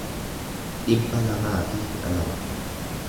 dhibba lamaa fi kudha lama